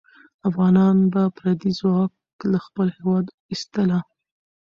افغانان به پردی ځواک له خپل هېواد ایستله.